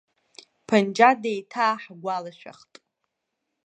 Панџьа деиҭааҳгәалашәахт!